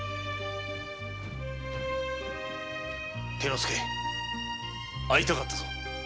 ・貞之介会いたかったぞ。